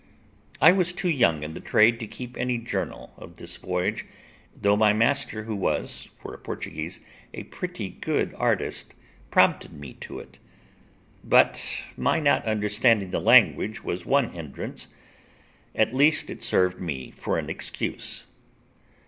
I was too young in the trade to keep any journal of this voyage, though my master, who was, for a Portuguese, a pretty good artist, prompted me to it; but my not understanding the language was one hindrance; at least it served me for an excuse.